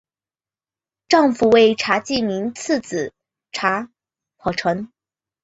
丈夫为查济民次子查懋成。